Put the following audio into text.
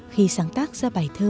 khi sáng tác ra bài thơ